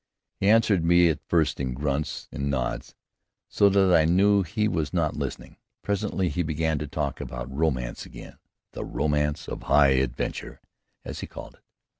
He answered me at first in grunts and nods, so that I knew he was not listening. Presently he began to talk about romance again, the "romance of high adventure," as he called it.